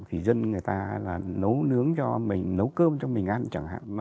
thì dân người ta là nấu nướng cho mình nấu cơm cho mình ăn chẳng hạn